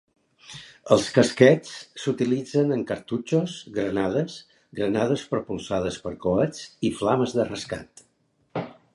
Els casquets s'utilitzen en cartutxos, granades, granades propulsades per coets i flames de rescat.